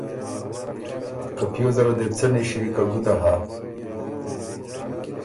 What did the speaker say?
که پیوزه ره دې بو څۀ نِݭی که ګُده هۀ۔